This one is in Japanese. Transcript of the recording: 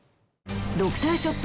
ドクターショット